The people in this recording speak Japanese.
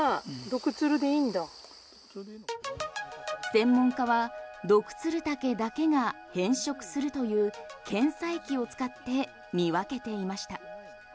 専門家はドクツルタケだけが変色するという検査液を使って見分けていました。